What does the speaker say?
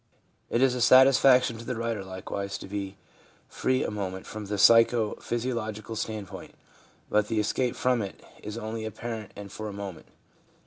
It is a satisfaction to the writer likewise to be free a moment from the psycho physiological standpoint, but the escape from it is only apparent and for a moment.